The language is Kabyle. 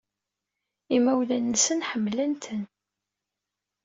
Imawlan-nsen ḥemmlen-tent.